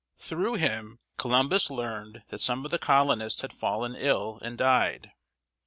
Through him, Columbus learned that some of the colonists had fallen ill and died.